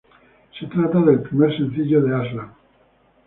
Se trata del primer sencillo de Aslan.